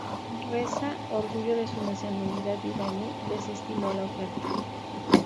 Reza, orgulloso de su nacionalidad iraní, desestimó la oferta.